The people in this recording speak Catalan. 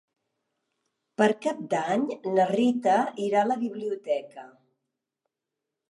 Per Cap d'Any na Rita irà a la biblioteca.